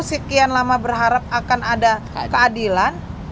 sekian lama berharap akan ada keadilan